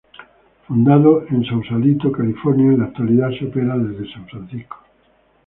Fundado en Sausalito, California, en la actualidad se opera desde San Francisco.